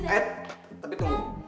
eh tapi tunggu